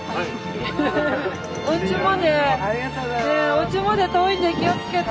おうちまで遠いんで気をつけて。